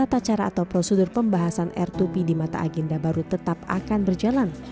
tata cara atau prosedur pembahasan r dua b di mata agenda baru tetap akan berjalan